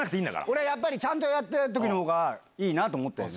俺はちゃんとやった時のほうがいいなと思ってる。